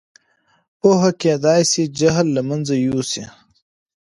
پوهه کېدای سي جهل له منځه یوسي.